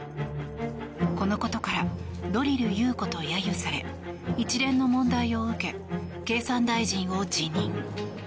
このことからドリル優子と揶揄され一連の問題を受け経産大臣を辞任。